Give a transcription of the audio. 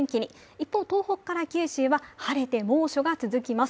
一方、東北から九州は晴れて猛暑が続きます。